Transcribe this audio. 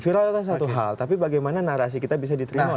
viralnya itu satu hal tapi bagaimana narasi kita bisa diterima oleh publik